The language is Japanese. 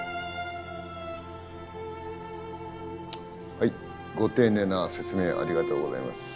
はいご丁寧な説明ありがとうございます。